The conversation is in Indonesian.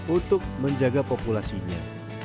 untuk menjaga populasinya